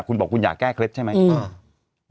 คุณบอกคุณอยากแก้เคล็ดใช่ไหม